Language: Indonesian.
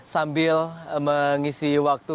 sambil mengisi waktu